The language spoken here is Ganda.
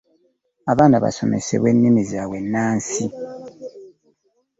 Abaana basomesebwe nnimi zaabwe ennansi